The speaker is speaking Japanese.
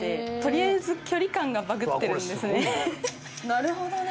なるほどね。